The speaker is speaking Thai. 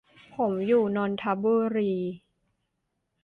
ผมอยู่นนทบุรี